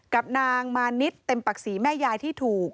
กับนางมานิดเต็มปักศรีแม่ยายที่ถูก